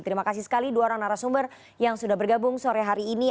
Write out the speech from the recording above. terima kasih sekali dua orang narasumber yang sudah bergabung sore hari ini